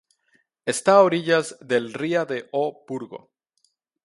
Esta a orillas del ría de O Burgo.